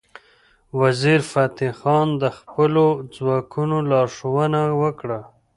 وزیرفتح خان د خپلو ځواکونو لارښوونه وکړه.